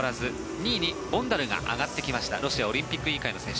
２位にボンダルが上がってきましたロシアオリンピック委員会の選手。